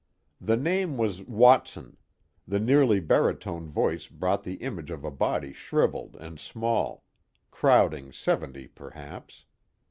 The name was Watson; the nearly baritone voice brought the image of a body shriveled and small, crowding seventy perhaps.